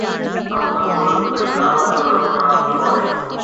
تمکن گل ۽ لالا جو رنگ خراب ڇو آهي؟